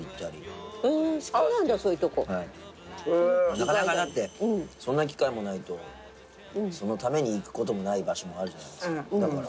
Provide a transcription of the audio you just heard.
なかなかだってそんな機会もないとそのために行くこともない場所もあるじゃないですかだから。